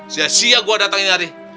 sia sia gue datangin hari